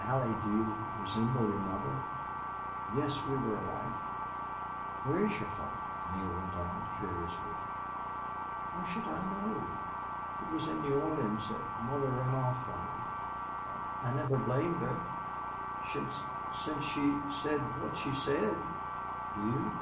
Allie, do you resemble your mother?" "Yes, we were alike." "Where is your father?" Neale went on, curiously. "How should I know? It was in New Orleans that mother ran off from him. I I never blamed her since she said what she said.... Do you?